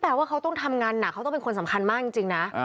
ว่าเขาต้องทำงานหนักเขาต้องเป็นคนสำคัญมากจริงนะ